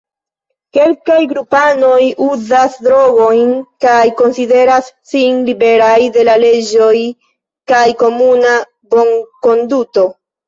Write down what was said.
Kelkaj grupanoj uzas drogojn kaj konsideras sin liberaj de la leĝoj kaj komuna bonkonduto.